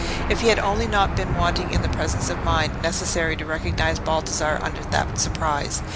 If he had only not been wanting in the presence of mind necessary to recognise Baldassarre under that surprise!